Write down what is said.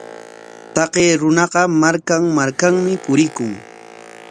Taqay runaqa markan markanmi purikun.